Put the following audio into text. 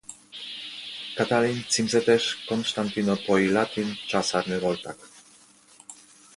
Katalin címzetes konstantinápolyi latin császárnő voltak.